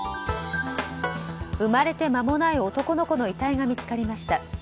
生まれて間もない男の子の遺体が見つかりました。